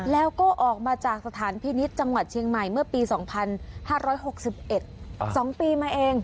แล้วก็ออกมาจากสถานพินิษฐ์จังหวัดเชียงใหม่เมื่อปี๒๕๖๑๒ปีมาเอง